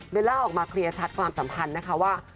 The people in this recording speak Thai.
ล่าออกมาเคลียร์ชัดความสัมพันธ์นะคะว่า